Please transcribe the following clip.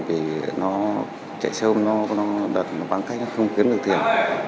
vì nó chạy xe hôm nó đợt nó băng cách nó không kiếm được tiền